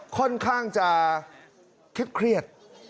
ค่อนข้างจะเครียดเครียด